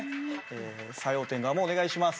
作用点側もお願いします。